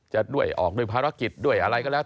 จะด้วยออกด้วยภารกิจด้วยอะไรก็แล้ว